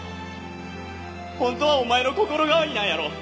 本当はお前の心変わりなんやろ？